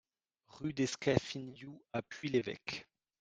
Rue des Scafignous à Puy-l'Évêque